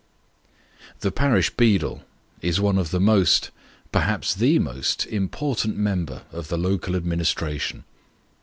Tho parish beadle is one of tho most, perhaps the most, important member of the local administration.